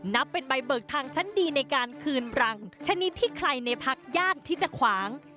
นับเป็นใบเบิกทางชั้นดีในการคืนรังชนิดที่ใครในพักยากที่จะขวาง